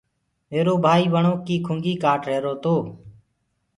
ميرو ڀآئيٚ وڻو ڪي ڪُنگي ڪآٽ رهيرو تو۔